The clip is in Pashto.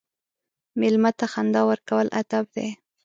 مېلمه ته خندا ورکول ادب دی.